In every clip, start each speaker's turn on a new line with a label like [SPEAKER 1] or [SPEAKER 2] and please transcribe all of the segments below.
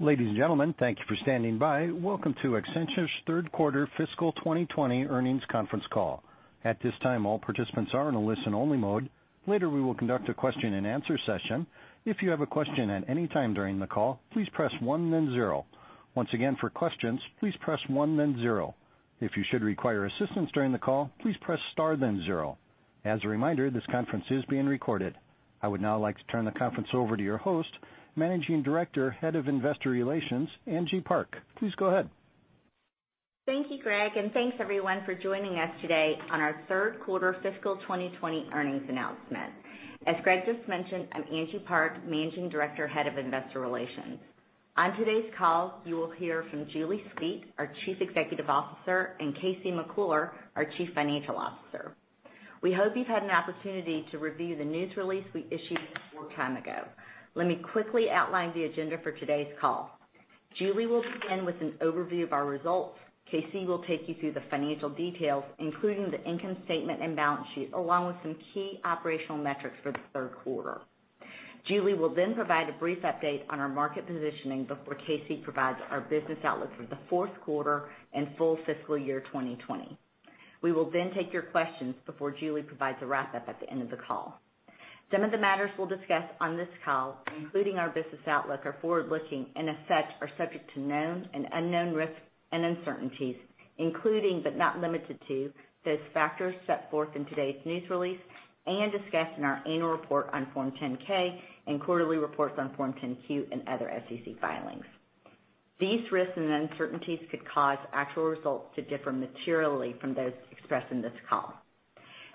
[SPEAKER 1] Ladies and gentlemen, thank you for standing by. Welcome to Accenture's third quarter fiscal 2020 earnings conference call. At this time, all participants are in a listen-only mode. Later, we will conduct a question-and-answer session. If you have a question at any time during the call, please press one, then zero. Once again, for questions, please press one, then zero. If you should require assistance during the call, please press star then zero. As a reminder, this conference is being recorded. I would now like to turn the conference over to your host, Managing Director, Head of Investor Relations, Angie Park. Please go ahead.
[SPEAKER 2] Thank you, Greg. Thanks everyone for joining us today on our third quarter fiscal 2020 earnings announcement. As Greg just mentioned, I'm Angie Park, Managing Director, Head of Investor Relations. On today's call, you will hear from Julie Sweet, our Chief Executive Officer, and KC McClure, our Chief Financial Officer. We hope you've had an opportunity to review the news release we issued some time ago. Let me quickly outline the agenda for today's call. Julie will begin with an overview of our results. KC will take you through the financial details, including the income statement and balance sheet, along with some key operational metrics for the third quarter. Julie will provide a brief update on our market positioning before KC provides our business outlook for the fourth quarter and full fiscal year 2020. We will then take your questions before Julie provides a wrap-up at the end of the call. Some of the matters we'll discuss on this call, including our business outlook, are forward-looking, as such, are subject to known and unknown risks and uncertainties, including but not limited to those factors set forth in today's news release and discussed in our annual report on Form 10-K and quarterly reports on Form 10-Q and other SEC filings. These risks and uncertainties could cause actual results to differ materially from those expressed in this call.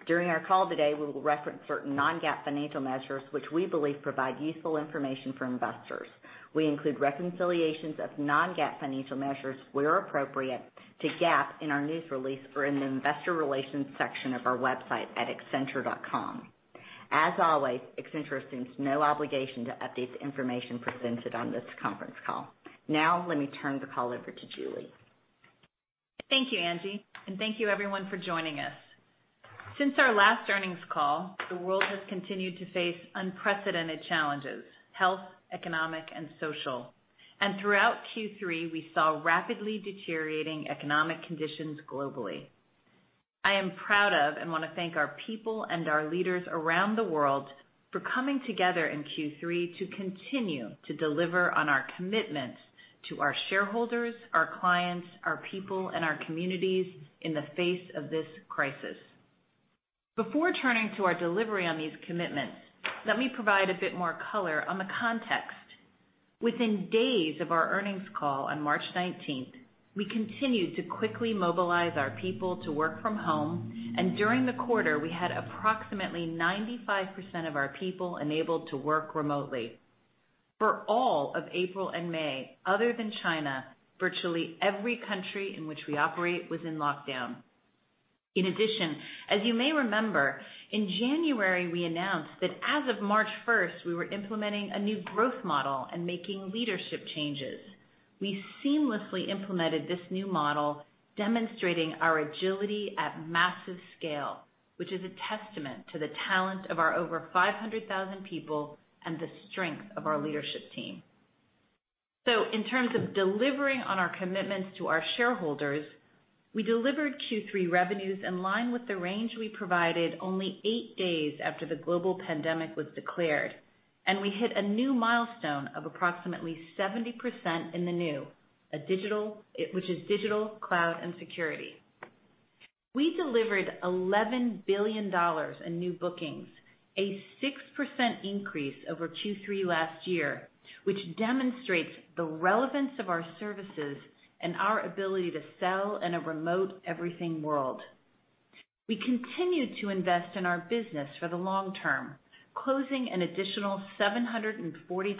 [SPEAKER 2] During our call today, we will reference certain non-GAAP financial measures which we believe provide useful information for investors. We include reconciliations of non-GAAP financial measures where appropriate to GAAP in our news release or in the investor relations section of our website at accenture.com. As always, Accenture assumes no obligation to update the information presented on this conference call. Let me turn the call over to Julie.
[SPEAKER 3] Thank you, Angie. Thank you everyone for joining us. Since our last earnings call, the world has continued to face unprecedented challenges: health, economic, and social. Throughout Q3, we saw rapidly deteriorating economic conditions globally. I am proud of and want to thank our people and our leaders around the world for coming together in Q3 to continue to deliver on our commitments to our shareholders, our clients, our people, and our communities in the face of this crisis. Before turning to our delivery on these commitments, let me provide a bit more color on the context. Within days of our earnings call on March 19th, we continued to quickly mobilize our people to work from home, and during the quarter, we had approximately 95% of our people enabled to work remotely. For all of April and May, other than China, virtually every country in which we operate was in lockdown. In addition, as you may remember, in January, we announced that as of March 1st, we were implementing a new growth model and making leadership changes. We seamlessly implemented this new model, demonstrating our agility at massive scale, which is a testament to the talent of our over 500,000 people and the strength of our leadership team. In terms of delivering on our commitments to our shareholders, we delivered Q3 revenues in line with the range we provided only eight days after the global pandemic was declared, and we hit a new milestone of approximately 70% in the New, which is digital, cloud, and security. We delivered $11 billion in new bookings, a 6% increase over Q3 last year, which demonstrates the relevance of our services and our ability to sell in a remote everything world. We continued to invest in our business for the long term, closing an additional $742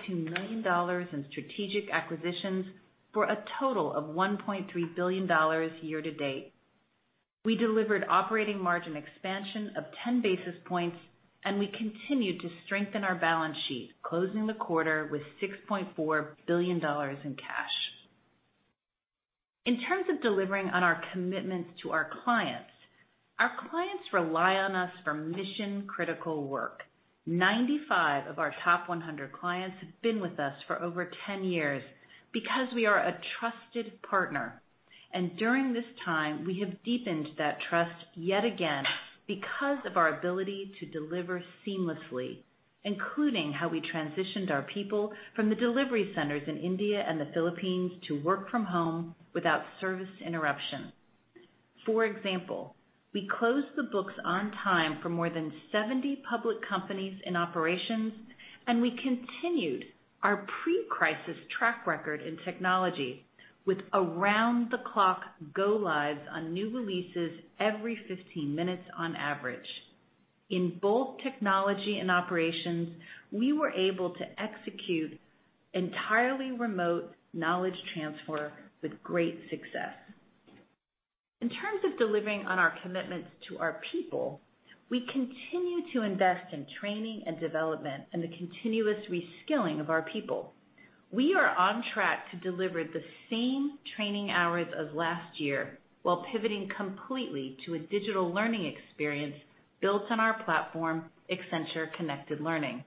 [SPEAKER 3] million in strategic acquisitions for a total of $1.3 billion year to date. We delivered operating margin expansion of 10 basis points. We continued to strengthen our balance sheet, closing the quarter with $6.4 billion in cash. In terms of delivering on our commitments to our clients, our clients rely on us for mission-critical work. 95 of our top 100 clients have been with us for over 10 years because we are a trusted partner. During this time, we have deepened that trust yet again because of our ability to deliver seamlessly, including how we transitioned our people from the delivery centers in India and the Philippines to work from home without service interruption. For example, we closed the books on time for more than 70 public companies in operations, and we continued our pre-crisis track record in technology with around-the-clock go lives on new releases every 15 minutes on average. In both technology and operations, we were able to execute entirely remote knowledge transfer with great success. In terms of delivering on our commitments to our people, we continue to invest in training and development and the continuous reskilling of our people. We are on track to deliver the same training hours as last year while pivoting completely to a digital learning experience built on our platform, Accenture Connected Learning.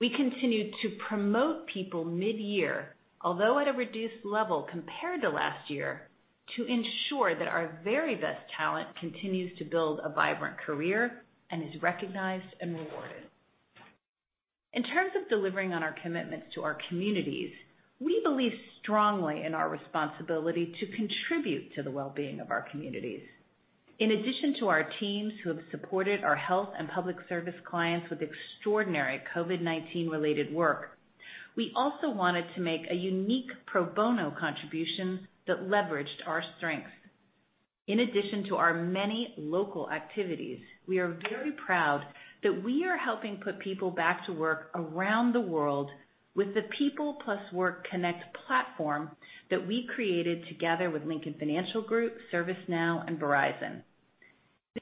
[SPEAKER 3] We continued to promote people mid-year, although at a reduced level compared to last year, to ensure that our very best talent continues to build a vibrant career and is recognized and rewarded. In terms of delivering on our commitments to our communities, we believe strongly in our responsibility to contribute to the well-being of our communities. In addition to our teams who have supported our health and public service clients with extraordinary COVID-19 related work, we also wanted to make a unique pro bono contribution that leveraged our strengths. In addition to our many local activities, we are very proud that we are helping put people back to work around the world with the People + Work Connect platform that we created together with Lincoln Financial Group, ServiceNow, and Verizon.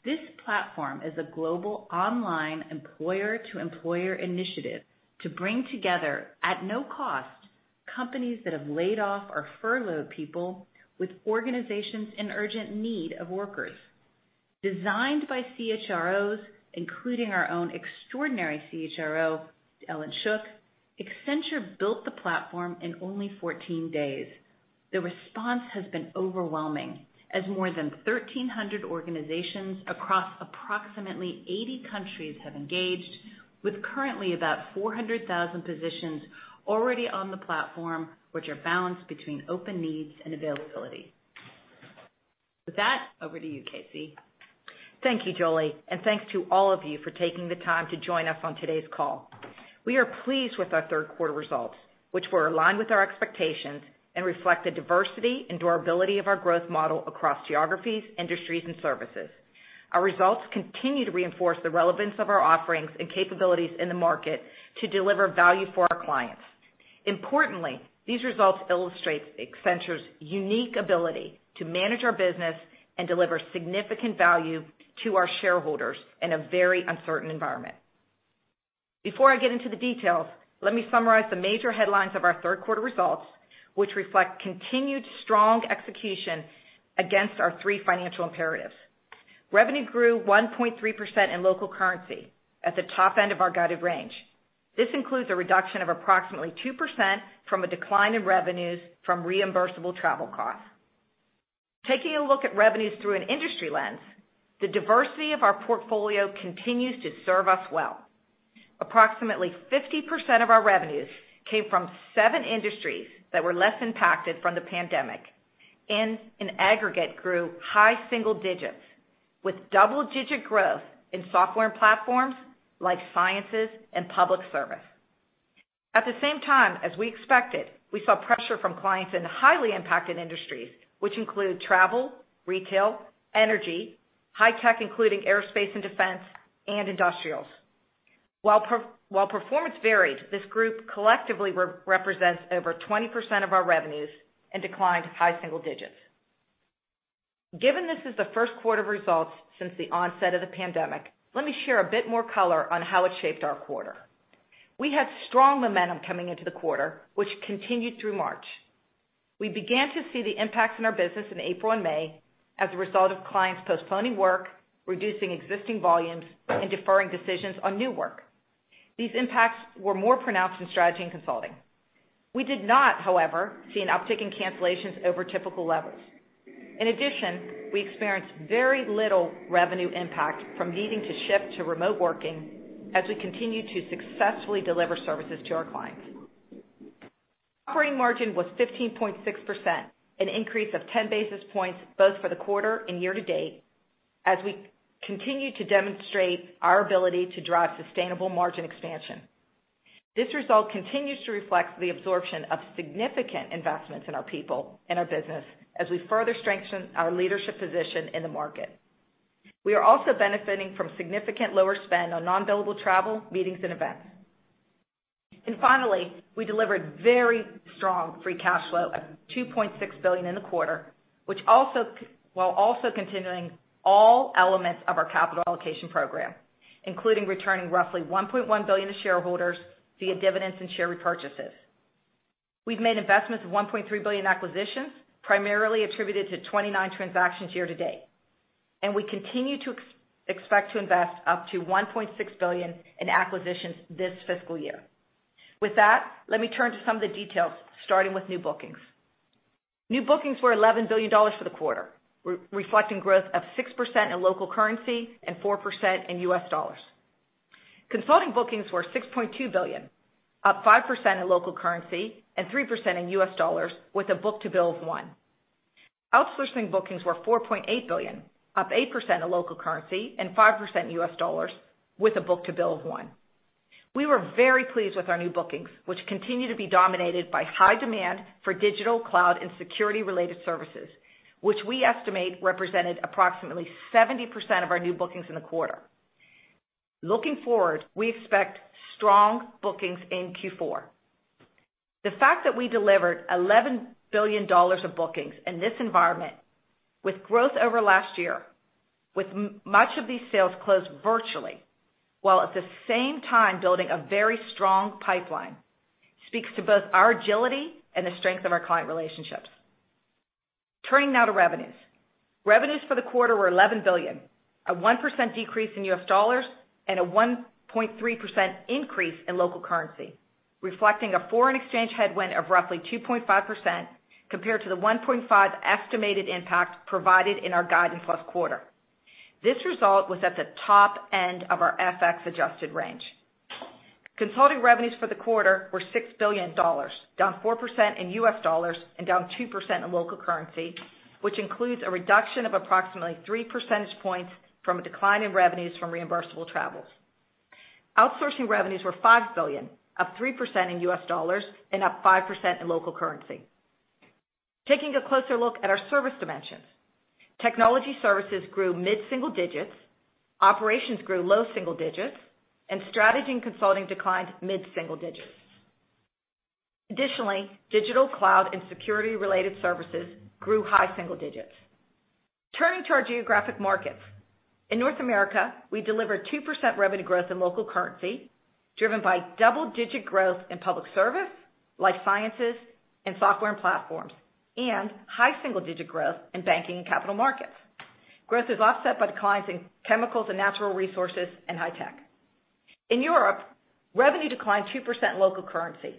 [SPEAKER 3] This platform is a global online employer to employer initiative to bring together, at no cost, companies that have laid off or furloughed people with organizations in urgent need of workers. Designed by CHROs, including our own extraordinary CHRO, Ellyn Shook, Accenture built the platform in only 14 days. The response has been overwhelming, as more than 1,300 organizations across approximately 80 countries have engaged with currently about 400,000 positions already on the platform, which are balanced between open needs and availability. With that, over to you, KC.
[SPEAKER 4] Thank you, Julie, and thanks to all of you for taking the time to join us on today's call. We are pleased with our third quarter results, which were aligned with our expectations and reflect the diversity and durability of our growth model across geographies, industries, and services. Our results continue to reinforce the relevance of our offerings and capabilities in the market to deliver value for our clients. Importantly, these results illustrate Accenture's unique ability to manage our business and deliver significant value to our shareholders in a very uncertain environment. Before I get into the details, let me summarize the major headlines of our third quarter results, which reflect continued strong execution against our three financial imperatives. Revenue grew 1.3% in local currency at the top end of our guided range. This includes a reduction of approximately 2% from a decline in revenues from reimbursable travel costs. Taking a look at revenues through an industry lens, the diversity of our portfolio continues to serve us well. Approximately 50% of our revenues came from seven industries that were less impacted from the pandemic, and in aggregate grew high single digits with double-digit growth in software and platforms life sciences and public service. At the same time, as we expected, we saw pressure from clients in highly impacted industries, which include travel, retail, energy, high tech, including aerospace and defense, and industrials. While performance varied, this group collectively represents over 20% of our revenues and declined high single digits. Given this is the first quarter of results since the onset of the pandemic, let me share a bit more color on how it shaped our quarter. We had strong momentum coming into the quarter, which continued through March. We began to see the impacts in our business in April and May as a result of clients postponing work, reducing existing volumes, and deferring decisions on new work. These impacts were more pronounced in Strategy and Consulting. We did not, however, see an uptick in cancellations over typical levels. In addition, we experienced very little revenue impact from needing to shift to remote working as we continued to successfully deliver services to our clients. Operating margin was 15.6%, an increase of 10 basis points both for the quarter and year to date as we continue to demonstrate our ability to drive sustainable margin expansion. This result continues to reflect the absorption of significant investments in our people and our business as we further strengthen our leadership position in the market. We are also benefiting from significant lower spend on non-billable travel, meetings, and events. Finally, we delivered very strong free cash flow of $2.6 billion in the quarter while also continuing all elements of our capital allocation program, including returning roughly $1.1 billion to shareholders via dividends and share repurchases. We've made investments of $1.3 billion acquisitions, primarily attributed to 29 transactions year to date. We continue to expect to invest up to $1.6 billion in acquisitions this fiscal year. With that, let me turn to some of the details, starting with new bookings. New bookings were $11 billion for the quarter, reflecting growth of 6% in local currency and 4% in U.S. dollars. Consulting bookings were $6.2 billion, up 5% in local currency and 3% in U.S. dollars with a book-to-bill of one. Outsourcing bookings were $4.8 billion, up 8% in local currency and 5% in U.S. dollars with a book-to-bill of one. We were very pleased with our new bookings, which continue to be dominated by high demand for digital, cloud, and security-related services, which we estimate represented approximately 70% of our new bookings in the quarter. Looking forward, we expect strong bookings in Q4. The fact that we delivered $11 billion of bookings in this environment with growth over last year, with much of these sales closed virtually, while at the same time building a very strong pipeline, speaks to both our agility and the strength of our client relationships. Turning now to revenues. Revenues for the quarter were $11 billion, a 1% decrease in U.S. dollars and a 1.3% increase in local currency, reflecting a foreign exchange headwind of roughly 2.5% compared to the 1.5% estimated impact provided in our guidance last quarter. This result was at the top end of our FX-adjusted range. Consulting revenues for the quarter were $6 billion, down 4% in U.S. dollars and down 2% in local currency, which includes a reduction of approximately 3 percentage points from a decline in revenues from reimbursable travels. Outsourcing revenues were $5 billion, up 3% in U.S. dollars and up 5% in local currency. Taking a closer look at our service dimensions, technology services grew mid-single digits, operations grew low single digits, and Strategy and Consulting declined mid-single digits. Additionally, digital cloud and security-related services grew high single digits. Turning to our geographic markets. In North America, we delivered 2% revenue growth in local currency, driven by double-digit growth in public service, life sciences, and software and platforms, and high single-digit growth in banking and capital markets. Growth is offset by declines in chemicals and natural resources and high tech. In Europe, revenue declined 2% in local currency.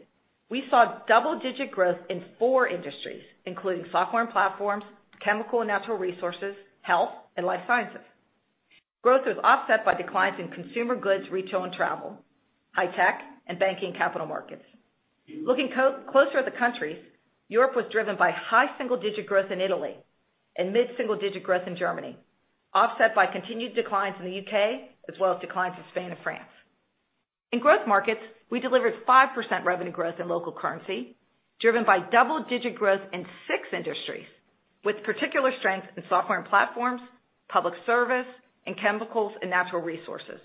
[SPEAKER 4] We saw double-digit growth in four industries, including software and platforms, chemicals and natural resources, health, and life sciences. Growth was offset by declines in consumer goods, retail and travel, high tech, and banking capital markets. Looking closer at the countries, Europe was driven by high single-digit growth in Italy and mid-single digit growth in Germany, offset by continued declines in the U.K. as well as declines in Spain and France. In Growth Markets, we delivered 5% revenue growth in local currency, driven by double-digit growth in six industries, with particular strength in software and platforms, public service, and chemicals and natural resources.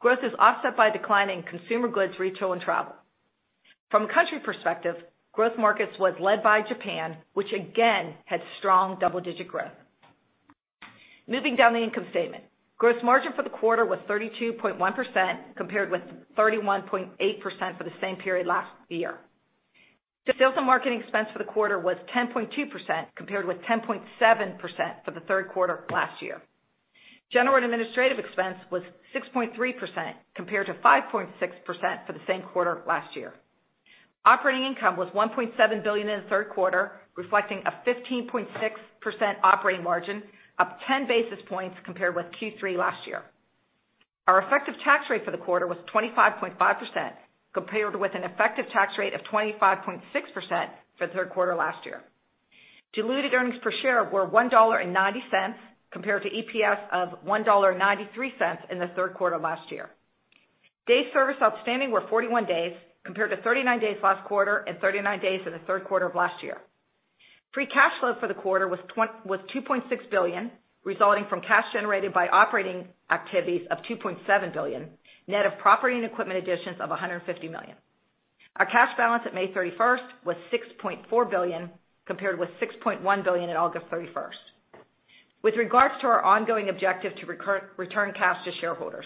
[SPEAKER 4] Growth is offset by declining consumer goods, retail, and travel. From a country perspective, Growth Markets was led by Japan, which again had strong double-digit growth. Moving down the income statement. Gross margin for the quarter was 32.1%, compared with 31.8% for the same period last year. Sales and marketing expense for the quarter was 10.2%, compared with 10.7% for the third quarter of last year. General and administrative expense was 6.3%, compared to 5.6% for the same quarter last year. Operating income was $1.7 billion in the third quarter, reflecting a 15.6% operating margin, up 10 basis points compared with Q3 last year. Our effective tax rate for the quarter was 25.5%, compared with an effective tax rate of 25.6% for the third quarter last year. Diluted earnings per share were $1.90, compared to EPS of $1.93 in the third quarter of last year. Days service outstanding were 41 days, compared to 39 days last quarter and 39 days in the third quarter of last year. Free cash flow for the quarter was $2.6 billion, resulting from cash generated by operating activities of $2.7 billion, net of property and equipment additions of $150 million. Our cash balance at May 31st was $6.4 billion, compared with $6.1 billion at August 31st. With regards to our ongoing objective to return cash to shareholders,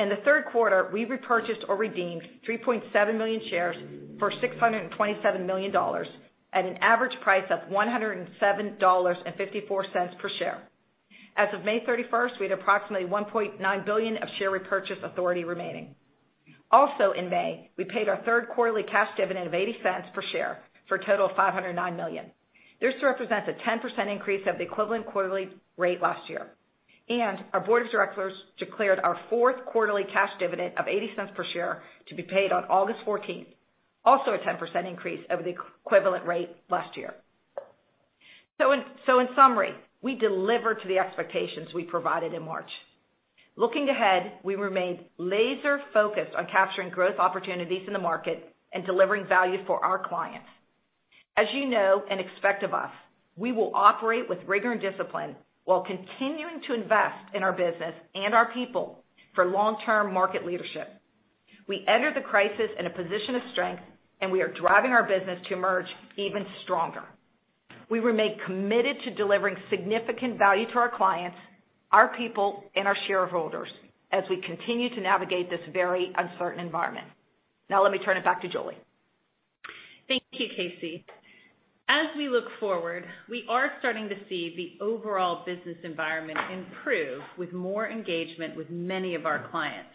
[SPEAKER 4] in the third quarter, we repurchased or redeemed 3.7 million shares for $627 million at an average price of $107.54 per share. As of May 31st, we had approximately $1.9 billion of share repurchase authority remaining. Also in May, we paid our third quarterly cash dividend of $0.80 per share for a total of $509 million. This represents a 10% increase of the equivalent quarterly rate last year. Our board of directors declared our fourth quarterly cash dividend of $0.80 per share to be paid on August 14th, also a 10% increase over the equivalent rate last year. In summary, we delivered to the expectations we provided in March. Looking ahead, we remain laser-focused on capturing growth opportunities in the market and delivering value for our clients. As you know and expect of us, we will operate with rigor and discipline while continuing to invest in our business and our people for long-term market leadership. We enter the crisis in a position of strength, and we are driving our business to emerge even stronger. We remain committed to delivering significant value to our clients, our people, and our shareholders as we continue to navigate this very uncertain environment. Now let me turn it back to Julie.
[SPEAKER 3] Thank you, KC. As we look forward, we are starting to see the overall business environment improve with more engagement with many of our clients.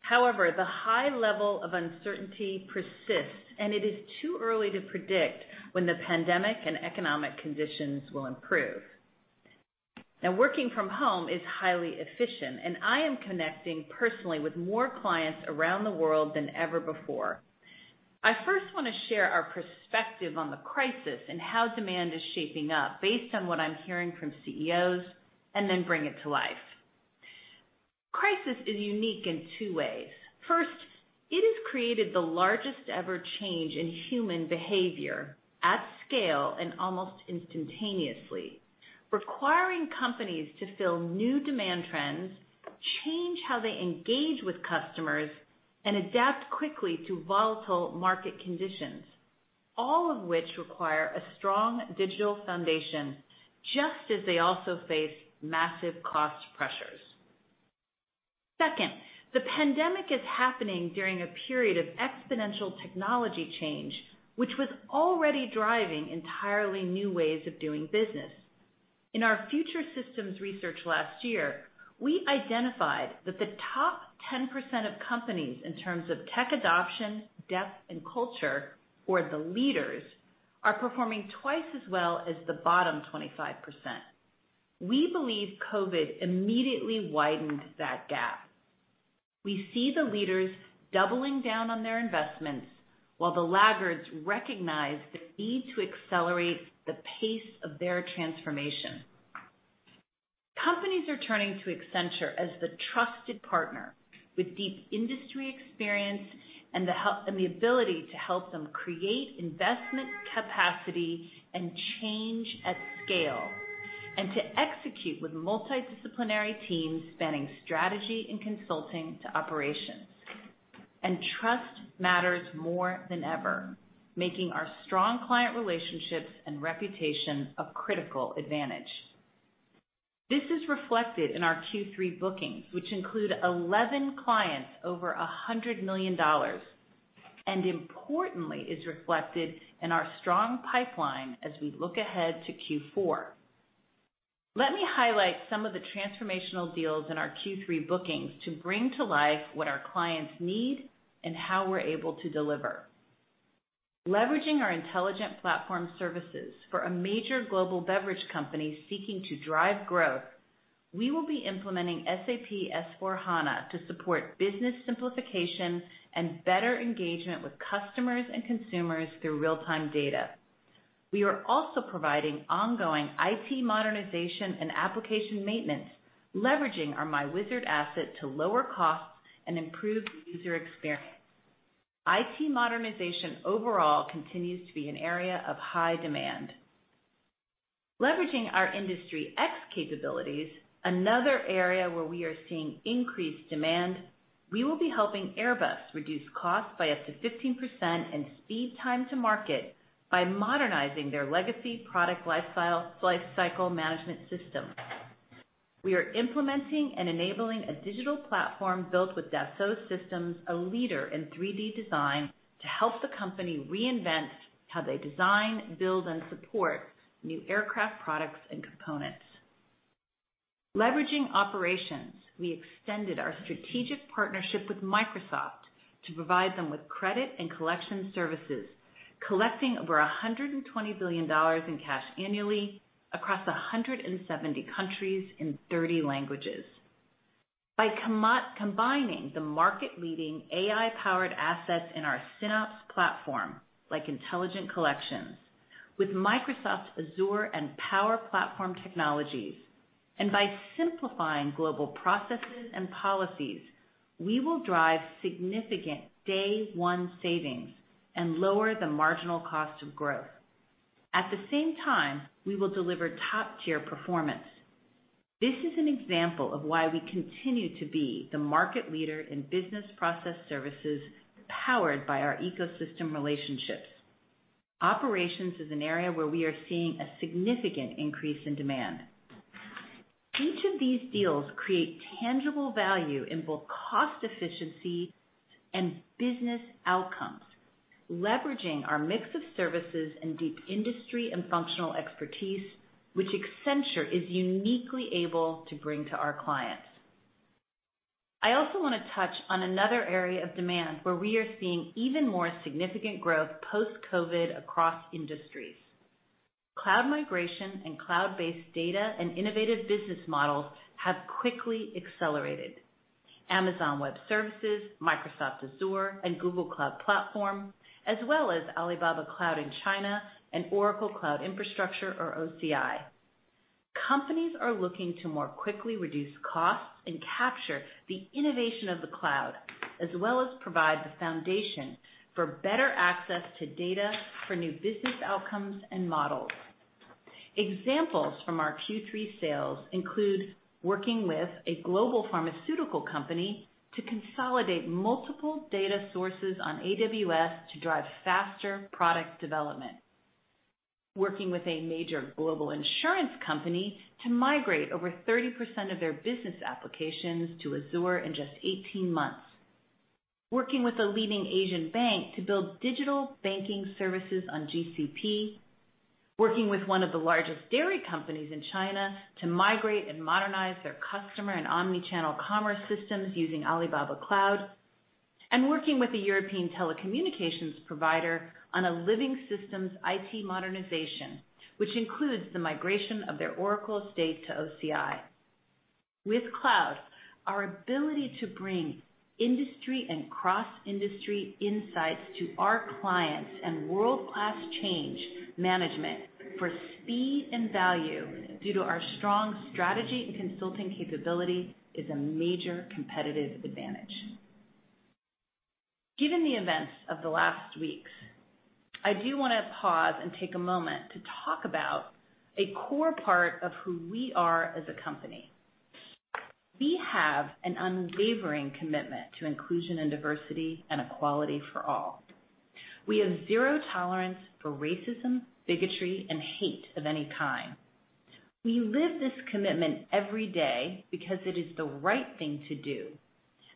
[SPEAKER 3] However, the high level of uncertainty persists, and it is too early to predict when the pandemic and economic conditions will improve. Now, working from home is highly efficient, and I am connecting personally with more clients around the world than ever before. I first want to share our perspective on the crisis and how demand is shaping up based on what I'm hearing from CEOs, and then bring it to life. Crisis is unique in two ways. First, it has created the largest ever change in human behavior at scale and almost instantaneously, requiring companies to fill new demand trends, change how they engage with customers, and adapt quickly to volatile market conditions, all of which require a strong digital foundation, just as they also face massive cost pressures. Second, the pandemic is happening during a period of exponential technology change, which was already driving entirely new ways of doing business. In our Future Systems research last year, we identified that the top 10% of companies in terms of tech adoption, depth and culture, or the leaders, are performing twice as well as the bottom 25%. We believe COVID immediately widened that gap. We see the leaders doubling down on their investments while the laggards recognize the need to accelerate the pace of their transformation. Companies are turning to Accenture as the trusted partner with deep industry experience and the ability to help them create investment capacity and change at scale, and to execute with multidisciplinary teams spanning Strategy and Consulting to operations. Trust matters more than ever, making our strong client relationships and reputation a critical advantage. This is reflected in our Q3 bookings, which include 11 clients over $100 million. Importantly, is reflected in our strong pipeline as we look ahead to Q4. Let me highlight some of the transformational deals in our Q3 bookings to bring to life what our clients need and how we're able to deliver. Leveraging our Intelligent Platform Services for a major global beverage company seeking to drive growth, we will be implementing SAP S/4HANA to support business simplification and better engagement with customers and consumers through real-time data. We are also providing ongoing IT modernization and application maintenance, leveraging our myWizard asset to lower costs and improve the user experience. IT modernization overall continues to be an area of high demand. Leveraging our Industry X capabilities, another area where we are seeing increased demand, we will be helping Airbus reduce costs by up to 15% and speed time to market by modernizing their legacy product lifecycle management system. We are implementing and enabling a digital platform built with Dassault Systèmes, a leader in 3D design, to help the company reinvent how they design, build, and support new aircraft products and components. Leveraging operations, we extended our strategic partnership with Microsoft to provide them with credit and collection services, collecting over $120 billion in cash annually across 170 countries in 30 languages. By combining the market-leading AI-powered assets in our SynOps platform, like intelligent collections, with Microsoft's Azure and Power Platform technologies, and by simplifying global processes and policies, we will drive significant day one savings and lower the marginal cost of growth. At the same time, we will deliver top-tier performance. This is an example of why we continue to be the market leader in business process services, powered by our ecosystem relationships. Operations is an area where we are seeing a significant increase in demand. Each of these deals create tangible value in both cost efficiency and business outcomes, leveraging our mix of services and deep industry and functional expertise, which Accenture is uniquely able to bring to our clients. I also want to touch on another area of demand where we are seeing even more significant growth post-COVID across industries. Cloud migration and cloud-based data and innovative business models have quickly accelerated. Amazon Web Services, Microsoft Azure, and Google Cloud Platform, as well as Alibaba Cloud in China and Oracle Cloud Infrastructure or OCI. Companies are looking to more quickly reduce costs and capture the innovation of the cloud, as well as provide the foundation for better access to data for new business outcomes and models. Examples from our Q3 sales include working with a global pharmaceutical company to consolidate multiple data sources on AWS to drive faster product development. Working with a major global insurance company to migrate over 30% of their business applications to Azure in just 18 months. Working with a leading Asian bank to build digital banking services on GCP. Working with one of the largest dairy companies in China to migrate and modernize their customer and omni-channel commerce systems using Alibaba Cloud. Working with a European telecommunications provider on a Living Systems IT modernization, which includes the migration of their Oracle estate to OCI. With cloud, our ability to bring industry and cross-industry insights to our clients and world-class change management for speed and value due to our strong Strategy and Consulting capability is a major competitive advantage. Given the events of the last weeks, I do want to pause and take a moment to talk about a core part of who we are as a company. We have an unwavering commitment to inclusion and diversity and equality for all. We have zero tolerance for racism, bigotry, and hate of any kind. We live this commitment every day because it is the right thing to do,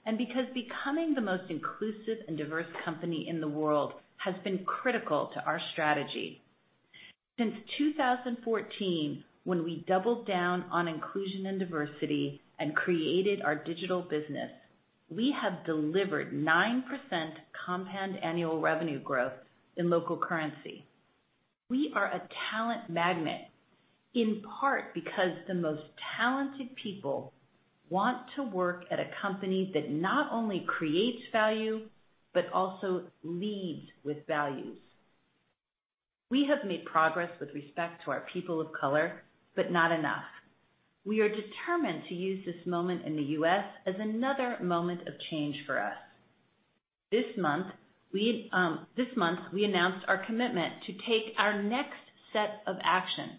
[SPEAKER 3] and because becoming the most inclusive and diverse company in the world has been critical to our strategy. Since 2014, when we doubled down on inclusion and diversity and created our digital business, we have delivered 9% compound annual revenue growth in local currency. We are a talent magnet, in part because the most talented people want to work at a company that not only creates value, but also leads with values. We have made progress with respect to our people of color, but not enough. We are determined to use this moment in the U.S. as another moment of change for us. This month, we announced our commitment to take our next set of actions,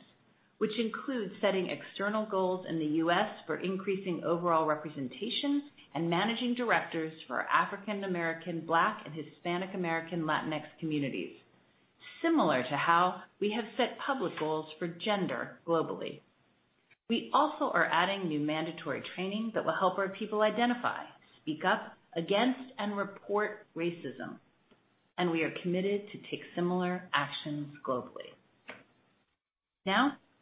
[SPEAKER 3] which include setting external goals in the U.S. for increasing overall representation and managing directors for African American, Black, and Hispanic American Latinx communities, similar to how we have set public goals for gender globally. We also are adding new mandatory training that will help our people identify, speak up against, and report racism, and we are committed to take similar actions globally.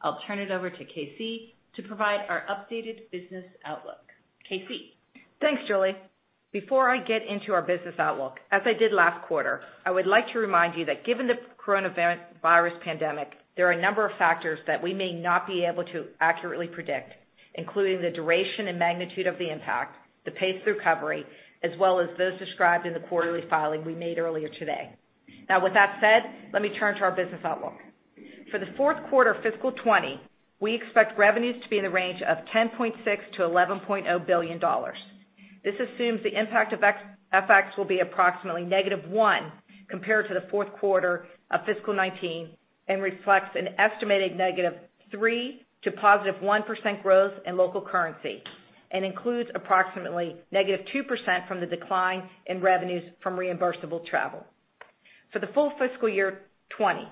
[SPEAKER 3] I'll turn it over to KC to provide our updated business outlook. KC?
[SPEAKER 4] Thanks, Julie. Before I get into our business outlook, as I did last quarter, I would like to remind you that given the coronavirus pandemic, there are a number of factors that we may not be able to accurately predict, including the duration and magnitude of the impact, the pace of recovery, as well as those described in the quarterly filing we made earlier today. With that said, let me turn to our business outlook. For the fourth quarter of fiscal 2020, we expect revenues to be in the range of $10.6 billion-$11.0 billion. This assumes the impact of FX will be approximately -1% compared to the fourth quarter of fiscal 2019, and reflects an estimated -3% to +1% growth in local currency and includes approximately -2% from the decline in revenues from reimbursable travel. For the full fiscal year 2020,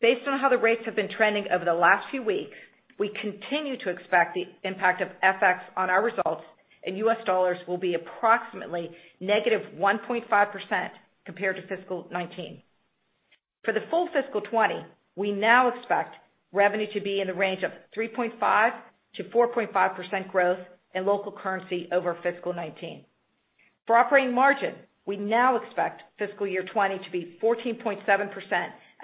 [SPEAKER 4] based on how the rates have been trending over the last few weeks, we continue to expect the impact of FX on our results in U.S. dollars will be approximately -1.5% compared to fiscal 2019. For the full fiscal 2020, we now expect revenue to be in the range of 3.5%-4.5% growth in local currency over fiscal 2019. For operating margin, we now expect fiscal year 2020 to be 14.7%,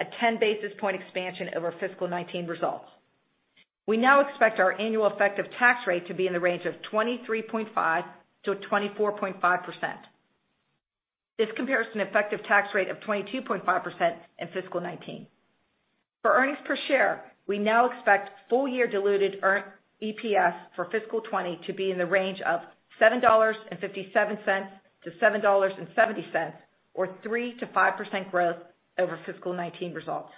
[SPEAKER 4] a 10-basis point expansion over fiscal 2019 results. We now expect our annual effective tax rate to be in the range of 23.5%-24.5%. This compares to an effective tax rate of 22.5% in fiscal 2019. For earnings per share, we now expect full year diluted EPS for fiscal 2020 to be in the range of $7.57-$7.70, or 3%-5% growth over fiscal 2019 results.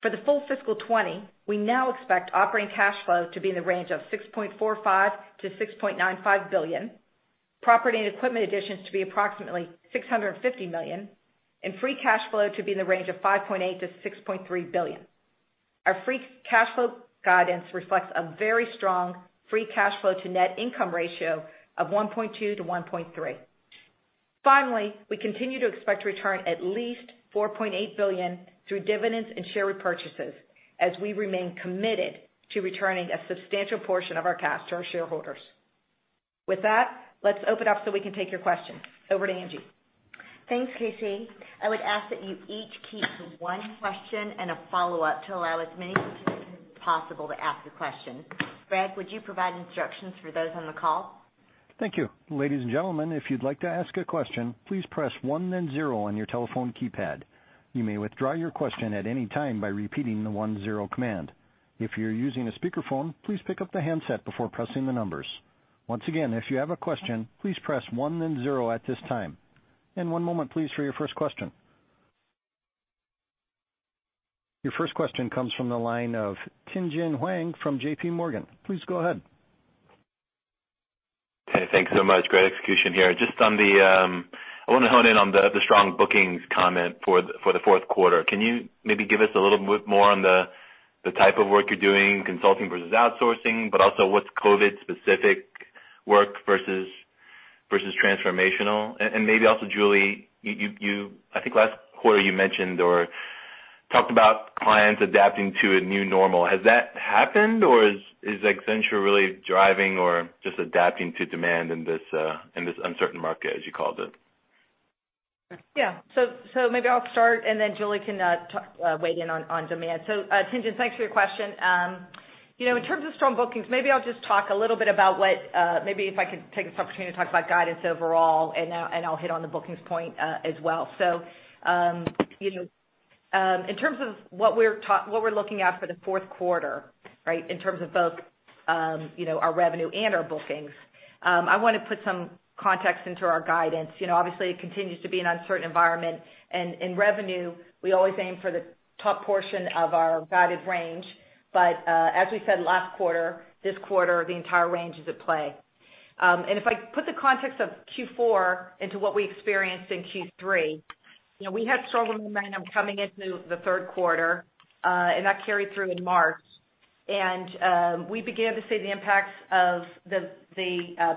[SPEAKER 4] For the full fiscal 2020, we now expect operating cash flow to be in the range of $6.45 billion-$6.95 billion, property and equipment additions to be approximately $650 million, and free cash flow to be in the range of $5.8 billion-$6.3 billion. Our free cash flow guidance reflects a very strong free cash flow to net income ratio of 1.2x-1.3x. Finally, we continue to expect to return at least $4.8 billion through dividends and share repurchases as we remain committed to returning a substantial portion of our cash to our shareholders. With that, let's open up so we can take your questions. Over to Angie.
[SPEAKER 2] Thanks, KC. I would ask that you each keep one question and a follow-up to allow as many people as possible to ask a question. Greg, would you provide instructions for those on the call?
[SPEAKER 1] Thank you. Ladies and gentlemen, if you'd like to ask a question, please press one then zero on your telephone keypad. You may withdraw your question at any time by repeating the one-zero command. If you're using a speakerphone, please pick up the handset before pressing the numbers. Once again, if you have a question, please press one then zero at this time. One moment, please, for your first question. Your first question comes from the line of Tien-Tsin Huang from JPMorgan. Please go ahead.
[SPEAKER 5] Hey, thanks so much. Great execution here. I want to hone in on the strong bookings comment for the fourth quarter. Can you maybe give us a little bit more on the type of work you're doing, consulting versus outsourcing, but also what's COVID-specific work versus transformational? Maybe also, Julie, I think last quarter you mentioned or talked about clients adapting to a new normal. Has that happened or is Accenture really driving or just adapting to demand in this uncertain market, as you called it?
[SPEAKER 4] Yeah. Maybe I'll start and then Julie can weigh in on demand. Tien-Tsin, thanks for your question. In terms of strong bookings, maybe I'll just talk a little bit about if I could take this opportunity to talk about guidance overall, and I'll hit on the bookings point as well. In terms of what we're looking at for the fourth quarter, in terms of both our revenue and our bookings, I want to put some context into our guidance. Obviously, it continues to be an uncertain environment. In revenue, we always aim for the top portion of our guided range. As we said last quarter, this quarter, the entire range is at play. If I put the context of Q4 into what we experienced in Q3, we had strong momentum coming into the third quarter, and that carried through in March. We began to see the impacts of the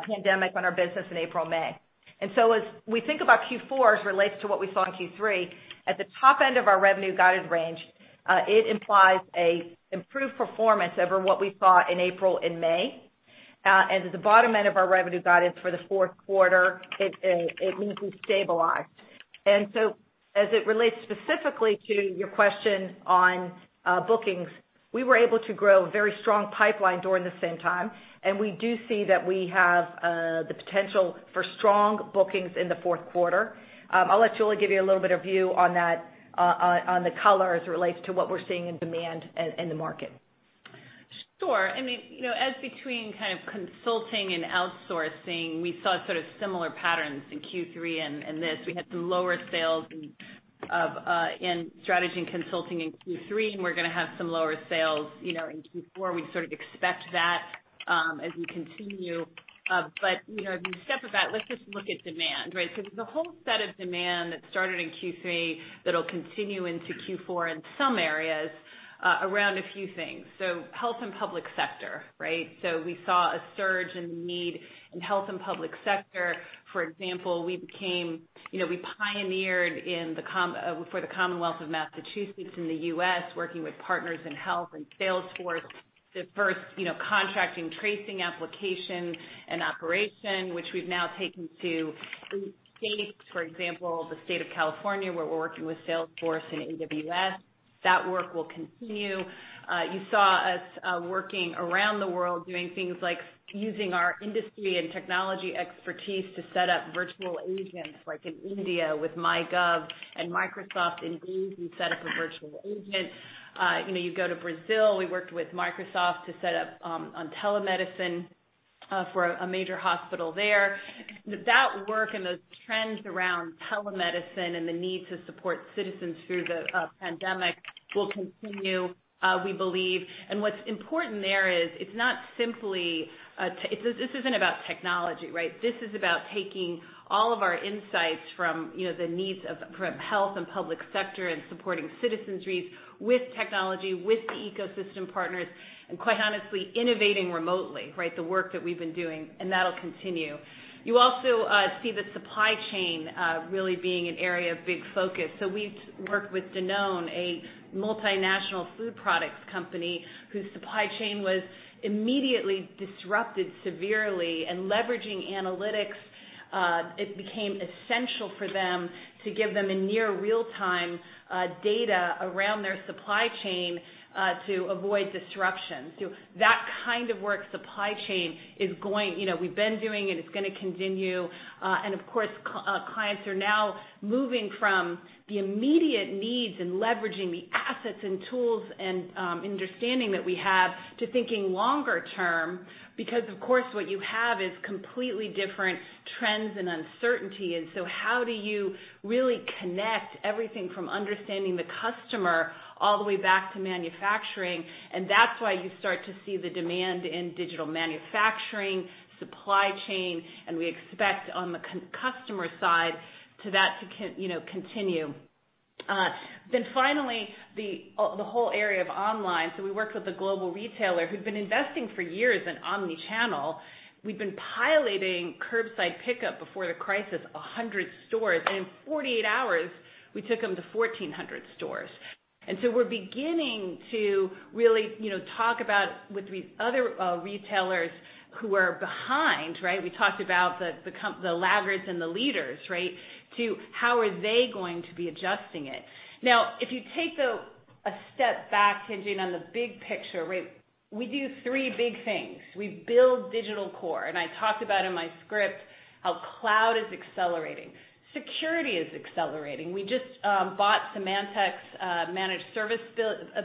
[SPEAKER 4] pandemic on our business in April, May. As we think about Q4 as it relates to what we saw in Q3, at the top end of our revenue guided range, it implies a improved performance over what we saw in April and May. At the bottom end of our revenue guidance for the fourth quarter, it means we've stabilized. As it relates specifically to your question on bookings, we were able to grow a very strong pipeline during the same time, and we do see that we have the potential for strong bookings in the fourth quarter. I'll let Julie give you a little bit of view on the color as it relates to what we're seeing in demand in the market.
[SPEAKER 3] Sure. As between kind of consulting and outsourcing, we saw sort of similar patterns in Q3 and this. We had some lower sales in Strategy and Consulting in Q3, and we're going to have some lower sales in Q4. We sort of expect that as we continue. If you step back, let's just look at demand, right? There's a whole set of demand that started in Q3 that'll continue into Q4 in some areas around a few things. Health and public sector. We saw a surge in need in health and public sector. For example, we pioneered for the Commonwealth of Massachusetts in the U.S., working with Partners In Health and Salesforce, the first contact tracing application and operation, which we've now taken to eight states. For example, the state of California, where we're working with Salesforce and AWS. That work will continue. You saw us working around the world doing things like using our industry and technology expertise to set up virtual agents, like in India with MyGov and Microsoft. In Greece, we set up a virtual agent. You go to Brazil, we worked with Microsoft to set up on telemedicine for a major hospital there. That work and those trends around telemedicine and the need to support citizens through the pandemic will continue, we believe. What's important there is this isn't about technology, right? This is about taking all of our insights from the needs from health and public sector and supporting citizenries with technology, with the ecosystem partners, and quite honestly, innovating remotely, right? The work that we've been doing, and that'll continue. You also see the supply chain really being an area of big focus. We've worked with Danone, a multinational food products company whose supply chain was immediately disrupted severely. Leveraging analytics, it became essential for them to give them a near real-time data around their supply chain to avoid disruption. That kind of work, supply chain, we've been doing, and it's going to continue. Of course, clients are now moving from the immediate needs and leveraging the assets and tools and understanding that we have to thinking longer term. Because of course, what you have is completely different trends and uncertainty. How do you really connect everything from understanding the customer all the way back to manufacturing? That's why you start to see the demand in digital manufacturing, supply chain, and we expect on the customer side to that to continue. Finally, the whole area of online. We worked with a global retailer who'd been investing for years in omnichannel. We'd been piloting curbside pickup before the crisis, 100 stores. In 48 hours, we took them to 1,400 stores. We're beginning to really talk about with other retailers who are behind. We talked about the laggards and the leaders, to how are they going to be adjusting it. If you take a step back, Tien-Tsin, on the big picture, we do three big things. We build digital core, and I talked about in my script how cloud is accelerating. Security is accelerating. We just bought Symantec's managed service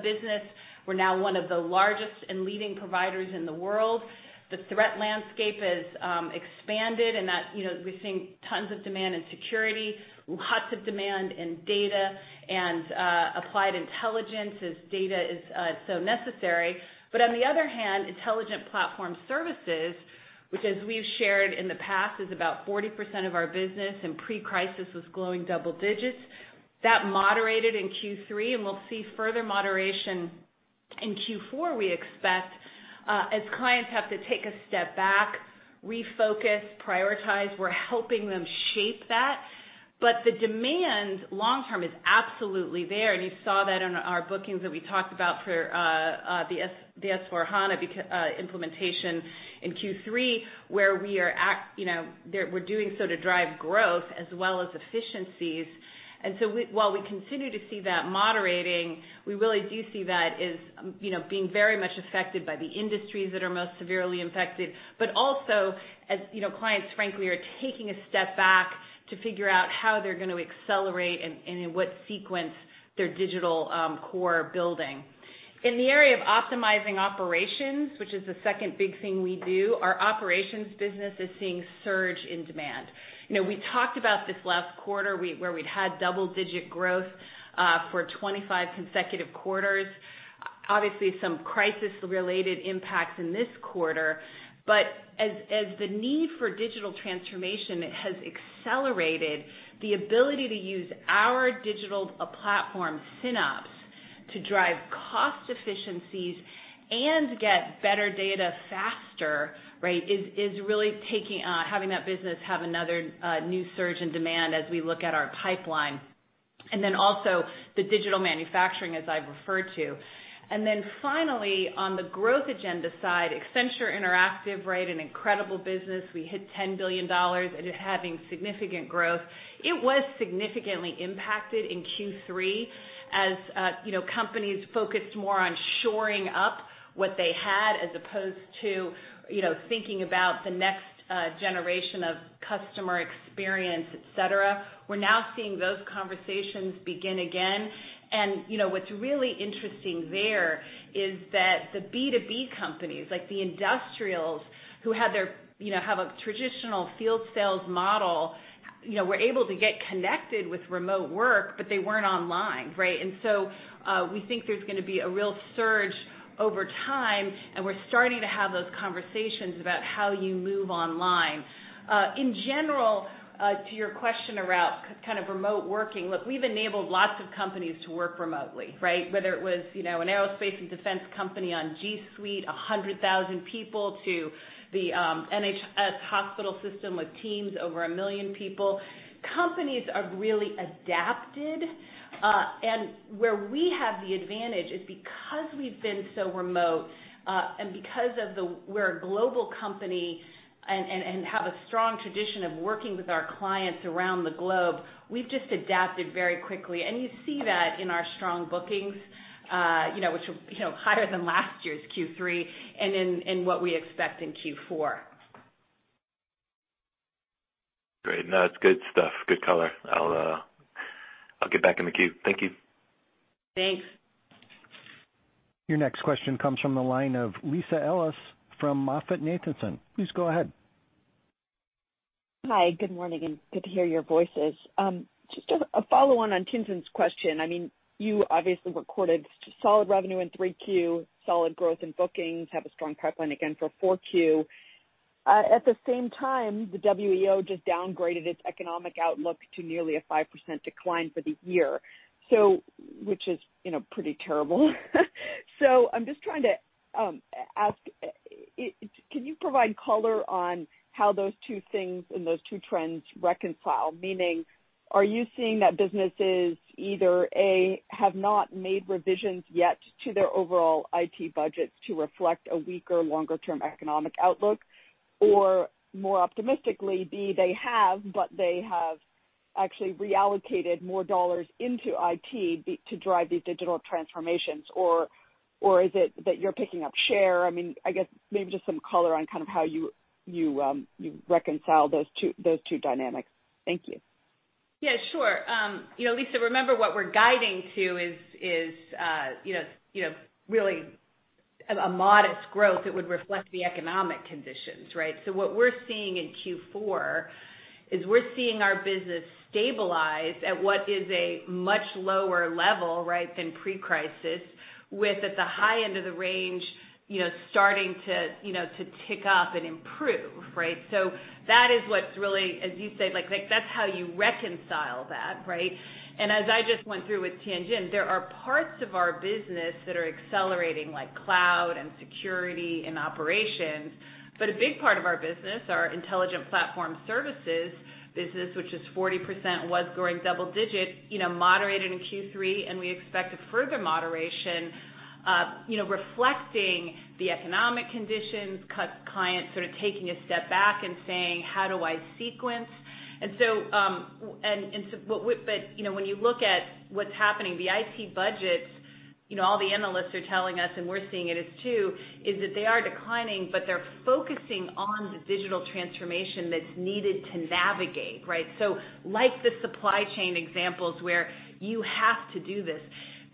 [SPEAKER 3] business. We're now one of the largest and leading providers in the world. The threat landscape has expanded, and we're seeing tons of demand in security, lots of demand in data and applied intelligence as data is so necessary. On the other hand, Intelligent Platform Services, which, as we've shared in the past, is about 40% of our business, pre-crisis was growing double digits. That moderated in Q3, we'll see further moderation in Q4, we expect, as clients have to take a step back, refocus, prioritize. We're helping them shape that. The demand long-term is absolutely there, and you saw that in our bookings that we talked about for the S/4HANA implementation in Q3, where we're doing so to drive growth as well as efficiencies. While we continue to see that moderating. We really do see that as being very much affected by the industries that are most severely infected, but also as clients, frankly, are taking a step back to figure out how they're going to accelerate and in what sequence their digital core building. In the area of optimizing operations, which is the second big thing we do, our operations business is seeing surge in demand. We talked about this last quarter where we'd had double-digit growth for 25 consecutive quarters. Obviously, some crisis-related impacts in this quarter, as the need for digital transformation has accelerated, the ability to use our digital platform, SynOps, to drive cost efficiencies and get better data faster is really having that business have another new surge in demand as we look at our pipeline. Also the digital manufacturing, as I've referred to. Finally, on the growth agenda side, Accenture Interactive, an incredible business. We hit $10 billion and it having significant growth. It was significantly impacted in Q3 as companies focused more on shoring up what they had as opposed to thinking about the next generation of customer experience, et cetera. We're now seeing those conversations begin again. What's really interesting there is that the B2B companies, like the industrials, who have a traditional field sales model, were able to get connected with remote work, but they weren't online. We think there's going to be a real surge over time, and we're starting to have those conversations about how you move online. In general, to your question around remote working, look, we've enabled lots of companies to work remotely. Whether it was an aerospace and defense company on G Suite, 100,000 people, to the NHS hospital system with Teams, over 1 million people. Companies have really adapted. Where we have the advantage is because we've been so remote, and because we're a global company and have a strong tradition of working with our clients around the globe, we've just adapted very quickly. You see that in our strong bookings, which were higher than last year's Q3 and in what we expect in Q4.
[SPEAKER 5] Great. No, it's good stuff. Good color. I'll get back in the queue. Thank you.
[SPEAKER 3] Thanks.
[SPEAKER 1] Your next question comes from the line of Lisa Ellis from MoffettNathanson. Please go ahead.
[SPEAKER 6] Hi, good morning, good to hear your voices. Just a follow on Tien-Tsin's question. You obviously recorded solid revenue in 3Q, solid growth in bookings, have a strong pipeline again for 4Q. At the same time, the WEO just downgraded its economic outlook to nearly a 5% decline for the year. Which is pretty terrible. I'm just trying to ask, can you provide color on how those two things and those two trends reconcile? Meaning, are you seeing that businesses either, A., have not made revisions yet to their overall IT budgets to reflect a weaker longer-term economic outlook? More optimistically, B., they have, but they have actually reallocated more $ into IT to drive these digital transformations? Is it that you're picking up share? I guess maybe just some color on how you reconcile those two dynamics. Thank you.
[SPEAKER 3] Yeah, sure. Lisa, remember what we're guiding to is really a modest growth that would reflect the economic conditions. What we're seeing in Q4 is we're seeing our business stabilize at what is a much lower level than pre-crisis, with at the high end of the range starting to tick up and improve. That is what's really, as you said, that's how you reconcile that. As I just went through with Tien-Tsin, there are parts of our business that are accelerating, like cloud and security and operations. A big part of our business, our Intelligent Platform Services business, which is 40%, was growing double digit, moderated in Q3, and we expect a further moderation, reflecting the economic conditions, clients sort of taking a step back and saying, "How do I sequence?" When you look at what's happening, the IT budgets, all the analysts are telling us, and we're seeing it as too, is that they are declining, but they're focusing on the digital transformation that's needed to navigate. Like the supply chain examples where you have to do this.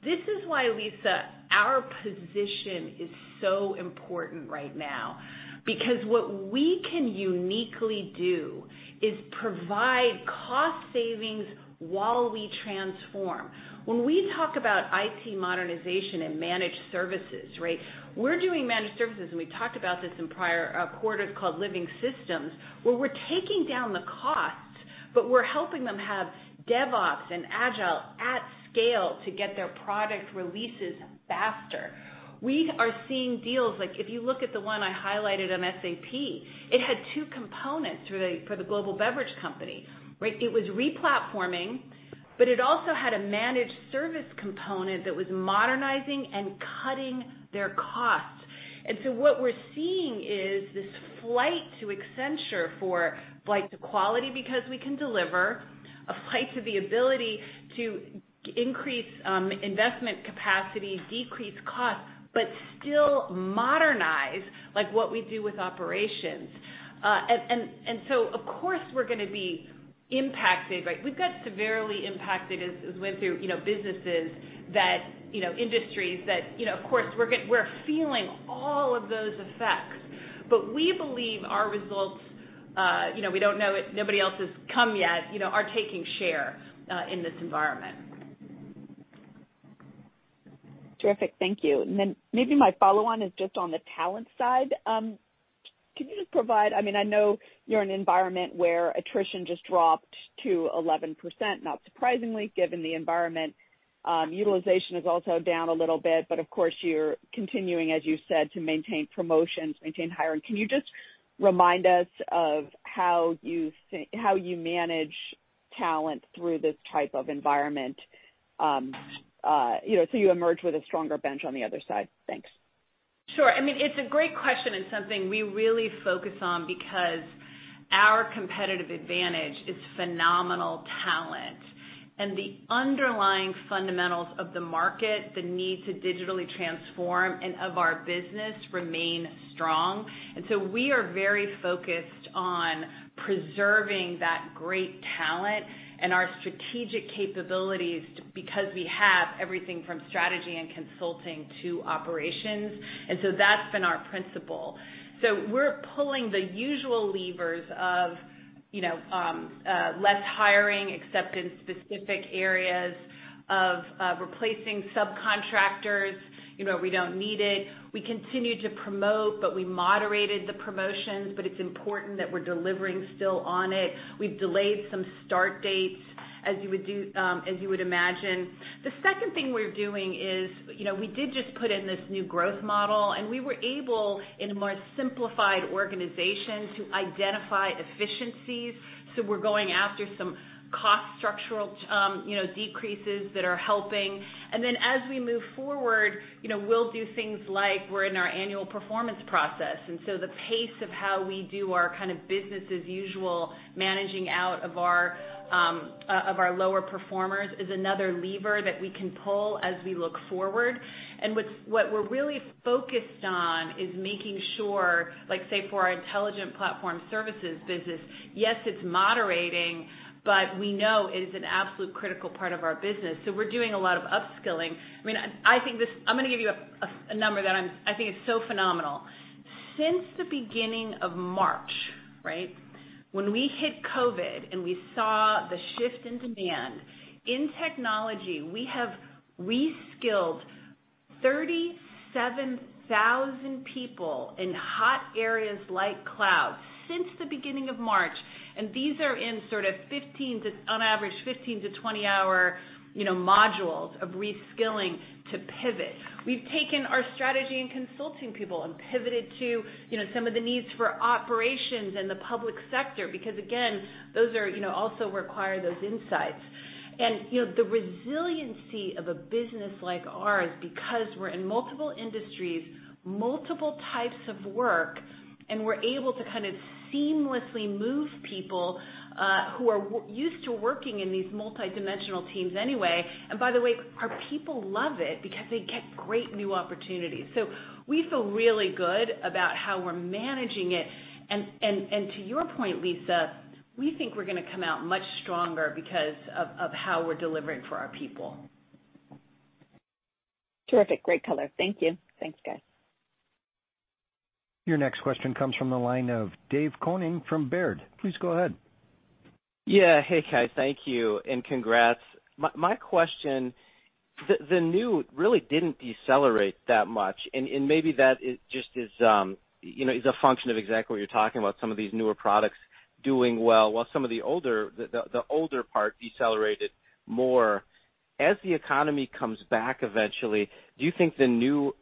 [SPEAKER 3] This is why, Lisa, our position is so important right now. Because what we can uniquely do is provide cost savings while we transform. When we talk about IT modernization and managed services, we're doing managed services, and we've talked about this in prior quarters, called Living Systems, where we're taking down the costs, but we're helping them have DevOps and Agile at scale to get their product releases faster. We are seeing deals, like if you look at the one I highlighted on SAP, it had two components for the global beverage company. It was re-platforming, but it also had a managed service component that was modernizing and cutting their costs. What we're seeing is this flight to Accenture for flight to quality because we can deliver, a flight to the ability to increase investment capacity, decrease costs, but still modernize what we do with operations. Of course we're going to be impacted, right? We've got severely impacted as we went through businesses that industries that, of course, we're feeling all of those effects. We believe our results, we don't know it, nobody else has come yet, are taking share in this environment.
[SPEAKER 6] Terrific. Thank you. Maybe my follow-on is just on the talent side. I know you're an environment where attrition just dropped to 11%, not surprisingly given the environment. Utilization is also down a little bit, but of course you're continuing, as you said, to maintain promotions, maintain hiring. Can you just remind us of how you manage talent through this type of environment so you emerge with a stronger bench on the other side? Thanks.
[SPEAKER 3] Sure. It's a great question and something we really focus on because our competitive advantage is phenomenal talent. The underlying fundamentals of the market, the need to digitally transform and of our business remain strong. We are very focused on preserving that great talent and our strategic capabilities because we have everything from Strategy and Consulting to operations. That's been our principle. We're pulling the usual levers of less hiring, except in specific areas of replacing subcontractors. We don't need it. We continue to promote, but we moderated the promotions, but it's important that we're delivering still on it. We've delayed some start dates, as you would imagine. The second thing we're doing is we did just put in this new growth model, and we were able, in a more simplified organization, to identify efficiencies. We're going after some cost structural decreases that are helping. As we move forward, we'll do things like we're in our annual performance process. The pace of how we do our business as usual, managing out of our lower performers is another lever that we can pull as we look forward. What we're really focused on is making sure, say, for our Intelligent Platform Services business, yes, it's moderating, but we know it is an absolute critical part of our business. We're doing a lot of upskilling. I'm going to give you a number that I think is so phenomenal. Since the beginning of March, when we hit COVID, and we saw the shift in demand. In technology, we have reskilled 37,000 people in hot areas like cloud since the beginning of March, and these are in on average 15 to 20-hour modules of reskilling to pivot. We've taken our Strategy and Consulting people and pivoted to some of the needs for operations in the public sector, because again, those also require those insights. The resiliency of a business like ours, because we're in multiple industries, multiple types of work, and we're able to seamlessly move people who are used to working in these multidimensional teams anyway. By the way, our people love it because they get great new opportunities. We feel really good about how we're managing it. To your point, Lisa, we think we're going to come out much stronger because of how we're delivering for our people.
[SPEAKER 6] Terrific. Great color. Thank you. Thanks, guys.
[SPEAKER 1] Your next question comes from the line of Dave Koning from Baird. Please go ahead.
[SPEAKER 7] Yeah. Hey, guys. Thank you, and congrats. My question, the New really didn't decelerate that much, and maybe that just is a function of exactly what you're talking about, some of these newer products doing well while some of the older part decelerated more. As the economy comes back eventually, do you think the New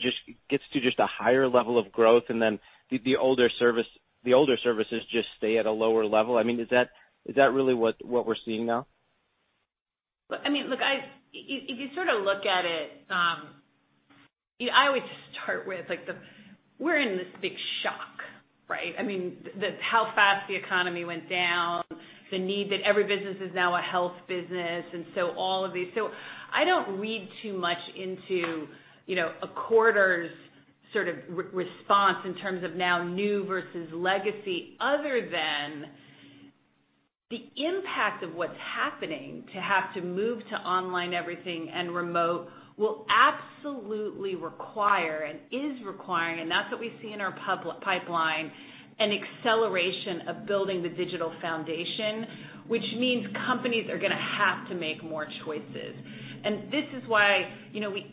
[SPEAKER 7] just gets to just a higher level of growth and then the older services just stay at a lower level? Is that really what we're seeing now?
[SPEAKER 3] If you look at it, I always start with we're in this big shock, right? How fast the economy went down, the need that every business is now a health business, all of these. I don't read too much into a quarter's response in terms of now new versus legacy other than the impact of what's happening to have to move to online everything and remote will absolutely require and is requiring, and that's what we see in our pipeline, an acceleration of building the digital foundation, which means companies are going to have to make more choices. This is why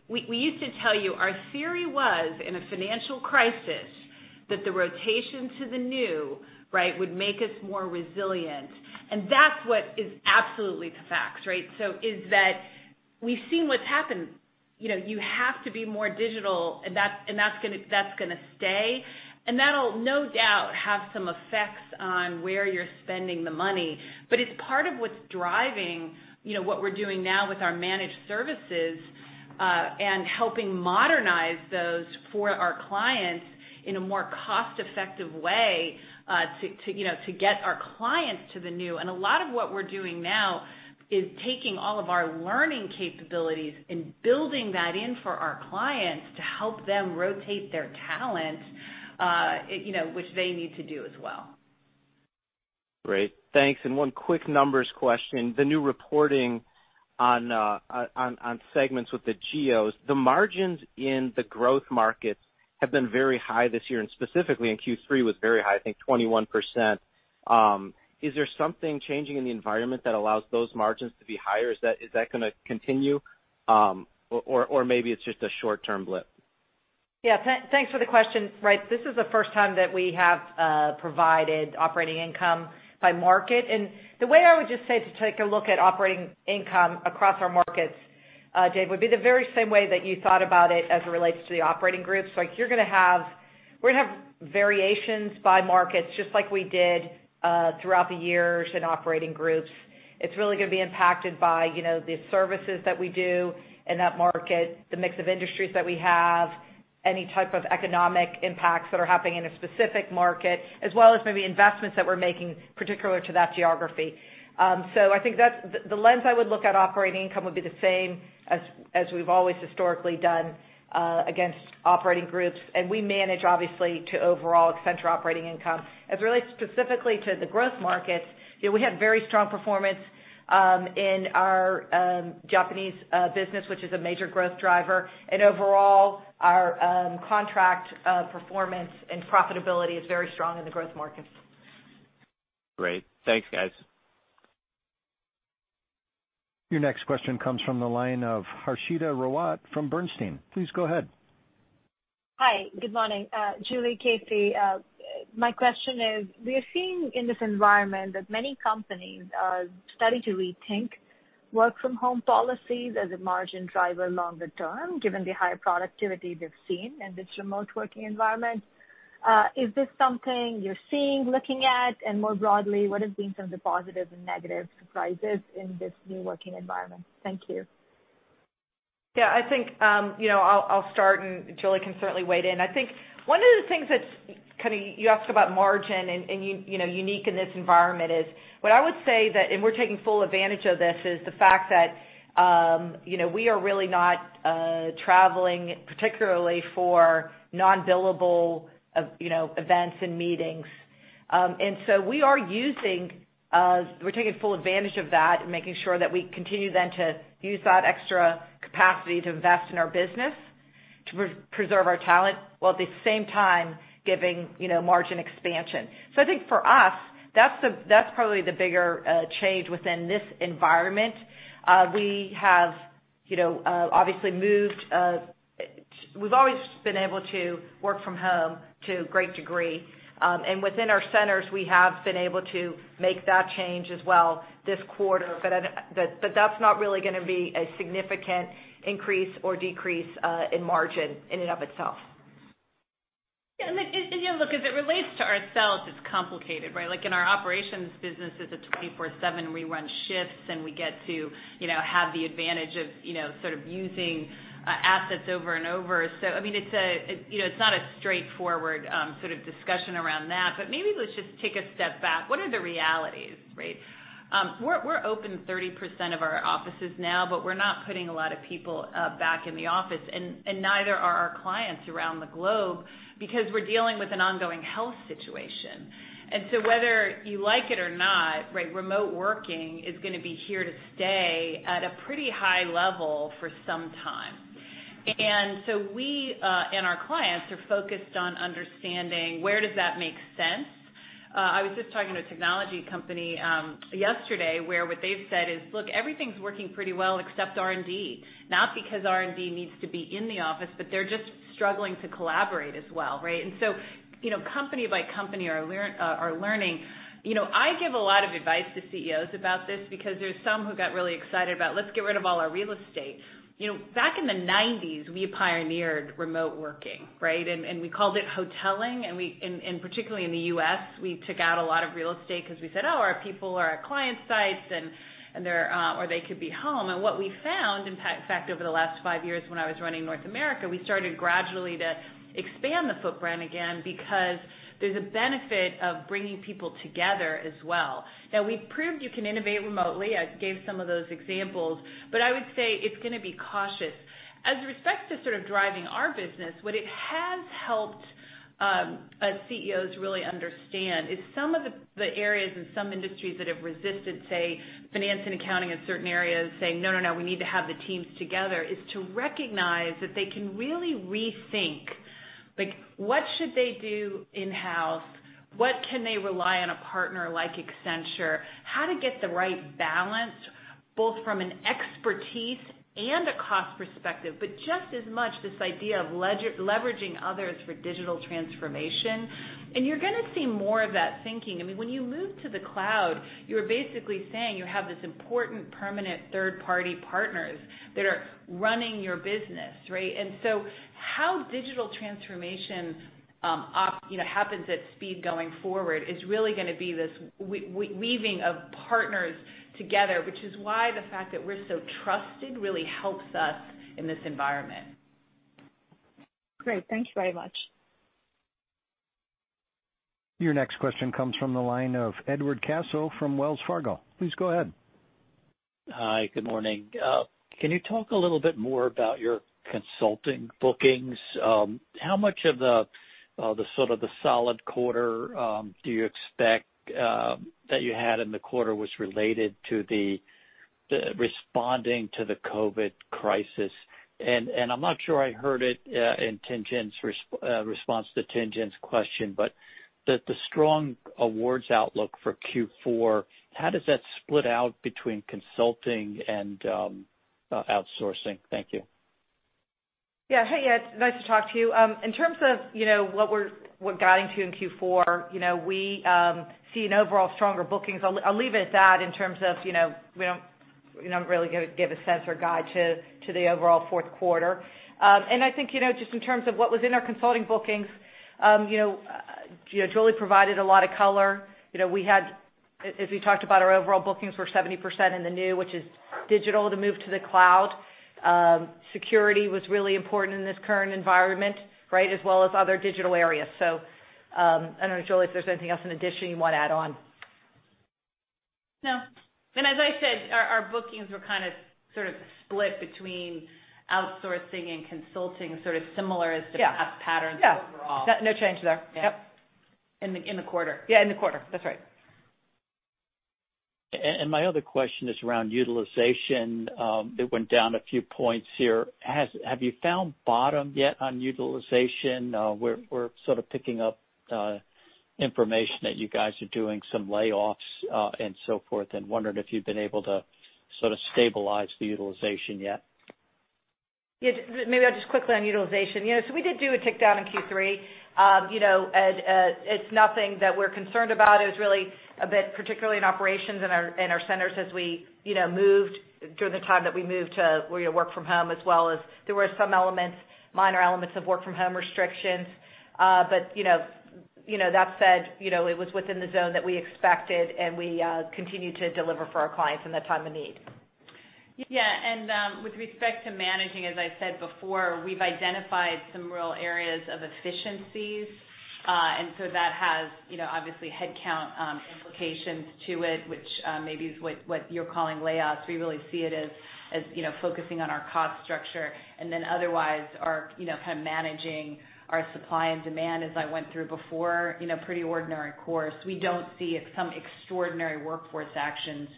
[SPEAKER 3] we used to tell you our theory was in a financial crisis that the rotation to the New would make us more resilient. That's what is absolutely the facts. Is that we've seen what's happened. You have to be more digital, and that's going to stay. That'll no doubt have some effects on where you're spending the money. It's part of what's driving what we're doing now with our managed services, and helping modernize those for our clients in a more cost-effective way to get our clients to the New. A lot of what we're doing now is taking all of our learning capabilities and building that in for our clients to help them rotate their talent which they need to do as well.
[SPEAKER 7] Great. Thanks. One quick numbers question. The New reporting on segments with the geos. The margins in the Growth Markets have been very high this year, and specifically in Q3 was very high, I think 21%. Is there something changing in the environment that allows those margins to be higher? Is that going to continue? Maybe it's just a short-term blip.
[SPEAKER 4] Yeah. Thanks for the question. This is the first time that we have provided operating income by market. The way I would just say to take a look at operating income across our markets, Dave, would be the very same way that you thought about it as it relates to the operating groups. We're going to have variations by markets, just like we did throughout the years in operating groups. It's really going to be impacted by the services that we do in that market, the mix of industries that we have, any type of economic impacts that are happening in a specific market, as well as maybe investments that we're making particular to that geography. I think the lens I would look at operating income would be the same as we've always historically done against operating groups. We manage, obviously, to overall Accenture operating income. As it relates specifically to the Growth Markets, we had very strong performance in our Japanese business, which is a major growth driver. Overall, our contract performance and profitability is very strong in the Growth Markets.
[SPEAKER 7] Great. Thanks, guys.
[SPEAKER 1] Your next question comes from the line of Harshita Rawat from Bernstein. Please go ahead.
[SPEAKER 8] Hi. Good morning, Julie, KC. My question is: We are seeing in this environment that many companies are starting to rethink work-from-home policies as a margin driver longer term, given the higher productivity they've seen in this remote working environment. Is this something you're seeing, looking at? More broadly, what have been some of the positive and negative surprises in this new working environment? Thank you.
[SPEAKER 4] Yeah, I'll start and Julie can certainly weigh in. I think one of the things that's kind of You asked about margin and unique in this environment is what I would say that, and we're taking full advantage of this, is the fact that we are really not traveling, particularly for non-billable events and meetings. We're taking full advantage of that and making sure that we continue then to use that extra capacity to invest in our business, to preserve our talent, while at the same time giving margin expansion. I think for us, that's probably the bigger change within this environment. We've always been able to work from home to a great degree. Within our centers, we have been able to make that change as well this quarter. That's not really going to be a significant increase or decrease in margin in and of itself.
[SPEAKER 3] Yeah. Look, as it relates to ourselves, it's complicated, right? Like in our operations business is a 24/7. We run shifts and we get to have the advantage of sort of using assets over and over. It's not a straightforward sort of discussion around that, but maybe let's just take a step back. What are the realities, right? We're open 30% of our offices now, but we're not putting a lot of people back in the office, and neither are our clients around the globe because we're dealing with an ongoing health situation. Whether you like it or not, remote working is going to be here to stay at a pretty high level for some time. We and our clients are focused on understanding where does that make sense. I was just talking to a technology company yesterday where what they've said is, "Look, everything's working pretty well except R&D." Not because R&D needs to be in the office, but they're just struggling to collaborate as well, right? Company by company are learning. I give a lot of advice to CEOs about this because there's some who got really excited about let's get rid of all our real estate. Back in the 1990s, we pioneered remote working, right? We called it hoteling. Particularly in the U.S., we took out a lot of real estate because we said, "Oh, our people are at client sites or they could be home." What we found, in fact over the last five years when I was running North America, we started gradually to expand the footprint again because there's a benefit of bringing people together as well. Now we've proved you can innovate remotely. I gave some of those examples, but I would say it's going to be cautious. As respect to sort of driving our business, what it has helped us CEOs really understand is some of the areas and some industries that have resisted, say finance and accounting in certain areas saying, "No, we need to have the teams together," is to recognize that they can really rethink. What should they do in-house? What can they rely on a partner like Accenture? How to get the right balance, both from an expertise and a cost perspective, but just as much this idea of leveraging others for digital transformation You're going to see more of that thinking. When you move to the cloud, you're basically saying you have this important permanent third-party partners that are running your business, right? How digital transformation happens at speed going forward is really going to be this weaving of partners together, which is why the fact that we're so trusted really helps us in this environment.
[SPEAKER 8] Great. Thanks very much.
[SPEAKER 1] Your next question comes from the line of Edward Caso from Wells Fargo. Please go ahead.
[SPEAKER 9] Hi. Good morning. Can you talk a little bit more about your consulting bookings? How much of the solid quarter do you expect that you had in the quarter was related to the responding to the COVID crisis? I'm not sure I heard it in response to Tien-Tsin's question, but the strong awards outlook for Q4, how does that split out between consulting and outsourcing? Thank you.
[SPEAKER 4] Hey, Ed. Nice to talk to you. In terms of what we're guiding to in Q4, we see an overall stronger bookings. I'll leave it at that in terms of we don't really give a sense or guide to the overall fourth quarter. I think, just in terms of what was in our consulting bookings, Julie provided a lot of color. As we talked about, our overall bookings were 70% in the New, which is digital to move to the cloud. Security was really important in this current environment, right, as well as other digital areas. I don't know, Julie, if there's anything else in addition you want to add on.
[SPEAKER 3] No. As I said, our bookings were split between outsourcing and consulting, sort of similar as the past patterns overall.
[SPEAKER 4] Yeah. No change there. Yep.
[SPEAKER 3] In the quarter.
[SPEAKER 4] Yeah, in the quarter. That's right.
[SPEAKER 9] My other question is around utilization. It went down a few points here. Have you found bottom yet on utilization? We're sort of picking up information that you guys are doing some layoffs and so forth and wondered if you've been able to stabilize the utilization yet.
[SPEAKER 4] Yeah. Maybe I'll just quickly on utilization. We did do a tick down in Q3. It's nothing that we're concerned about. It was really a bit, particularly in operations in our centers as we moved during the time that we moved to work from home, as well as there were some elements, minor elements of work from home restrictions. That said, it was within the zone that we expected, and we continue to deliver for our clients in the time of need.
[SPEAKER 3] Yeah. With respect to managing, as I said before, we've identified some real areas of efficiencies. That has obviously headcount implications to it, which maybe is what you're calling layoffs. We really see it as focusing on our cost structure and then otherwise are kind of managing our supply and demand as I went through before, pretty ordinary course. We don't see some extraordinary workforce actions.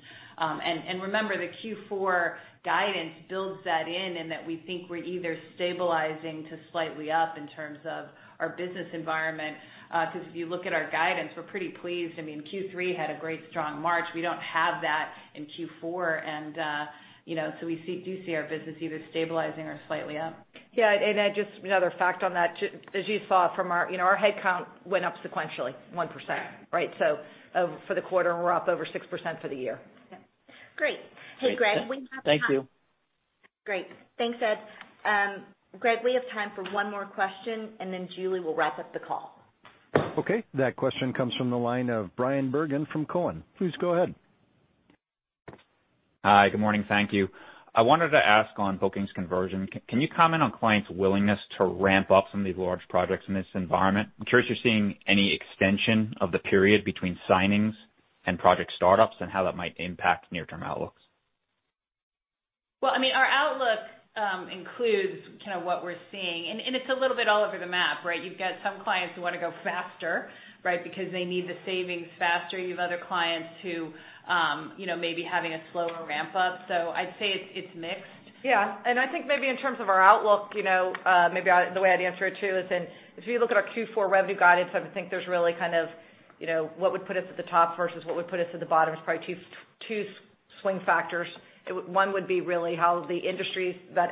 [SPEAKER 3] Remember, the Q4 guidance builds that in, and that we think we're either stabilizing to slightly up in terms of our business environment. If you look at our guidance, we're pretty pleased. Q3 had a great strong March. We don't have that in Q4, and so we do see our business either stabilizing or slightly up.
[SPEAKER 4] Yeah. Just another fact on that, as you saw from our headcount went up sequentially 1%, right? For the quarter, we're up over 6% for the year.
[SPEAKER 3] Yeah.
[SPEAKER 2] Great. Hey, Greg.
[SPEAKER 9] Thank you.
[SPEAKER 2] Great. Thanks, Ed. Greg, we have time for one more question, and then Julie will wrap up the call.
[SPEAKER 1] Okay. That question comes from the line of Bryan Bergin from Cowen. Please go ahead.
[SPEAKER 10] Hi. Good morning. Thank you. I wanted to ask on bookings conversion. Can you comment on clients' willingness to ramp up some of these large projects in this environment? I'm curious if you're seeing any extension of the period between signings and project startups and how that might impact near-term outlooks.
[SPEAKER 3] Well, our outlook includes what we're seeing, and it's a little bit all over the map, right? You've got some clients who want to go faster, right? Because they need the savings faster. You have other clients who may be having a slower ramp up. I'd say it's mixed.
[SPEAKER 4] Yeah. I think maybe in terms of our outlook, maybe the way I'd answer it, too, is in if you look at our Q4 revenue guidance, I would think there's really what would put us at the top versus what would put us at the bottom is probably two swing factors. One would be really how that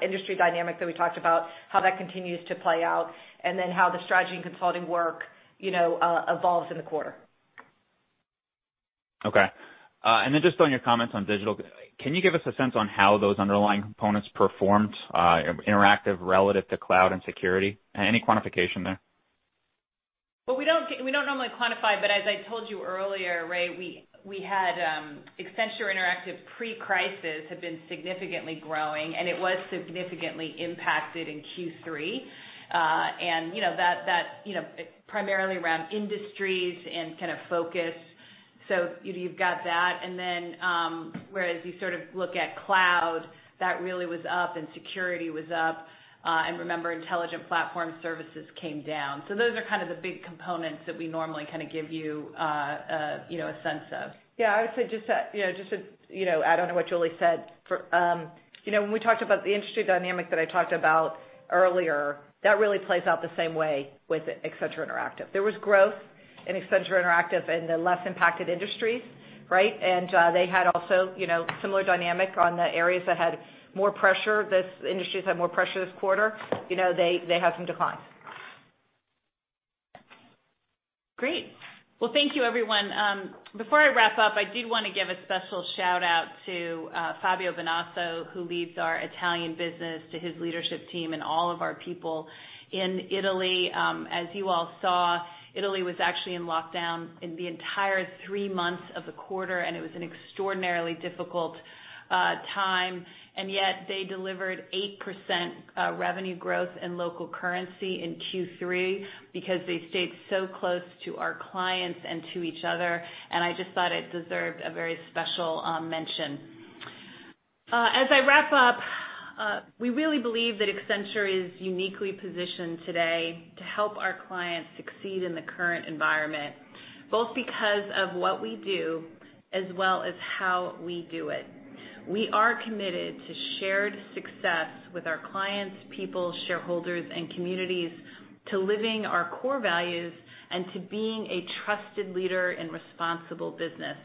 [SPEAKER 4] industry dynamic that we talked about, how that continues to play out, how the Strategy and Consulting work evolves in the quarter.
[SPEAKER 10] Okay. Then just on your comments on digital, can you give us a sense on how those underlying components performed Interactive relative to cloud and security? Any quantification there?
[SPEAKER 3] Well, we don't normally quantify, as I told you earlier, we had Accenture Interactive pre-crisis had been significantly growing, and it was significantly impacted in Q3. That's primarily around industries and focus. You've got that. Whereas you look at cloud, that really was up and security was up. Remember, Intelligent Platform Services came down. Those are the big components that we normally give you a sense of.
[SPEAKER 4] Yeah, I would say just to add on to what Julie said. When we talked about the industry dynamic that I talked about earlier, that really plays out the same way with Accenture Interactive. There was growth in Accenture Interactive in the less impacted industries, right. They had also similar dynamic on the areas that had more pressure, those industries that had more pressure this quarter. They had some declines.
[SPEAKER 3] Great. Well, thank you, everyone. Before I wrap up, I did want to give a special shout-out to Fabio Benasso, who leads our Italian business, to his leadership team and all of our people in Italy. As you all saw, Italy was actually in lockdown in the entire three months of the quarter. It was an extraordinarily difficult time. Yet they delivered 8% revenue growth in local currency in Q3 because they stayed so close to our clients and to each other. I just thought it deserved a very special mention. As I wrap up, we really believe that Accenture is uniquely positioned today to help our clients succeed in the current environment, both because of what we do as well as how we do it. We are committed to shared success with our clients, people, shareholders, and communities, to living our core values, and to being a trusted leader in responsible business.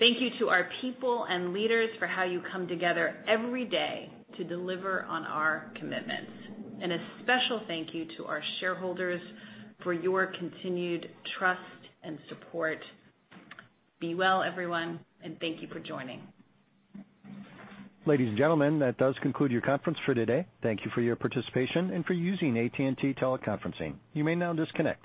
[SPEAKER 3] Thank you to our people and leaders for how you come together every day to deliver on our commitments. A special thank you to our shareholders for your continued trust and support. Be well, everyone, and thank you for joining.
[SPEAKER 1] Ladies and gentlemen, that does conclude your conference for today. Thank you for your participation and for using AT&T Teleconferencing. You may now disconnect.